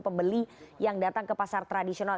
pembeli yang datang ke pasar tradisional